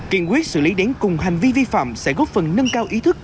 kiện quyết xử lý đến cùng hành vi vi phạm sẽ góp phần nâng cao ý thức